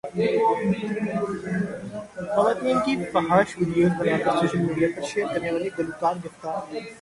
خواتین کی فحش ویڈیوز بناکر سوشل میڈیا پرشیئر کرنے والا گلوکار گرفتار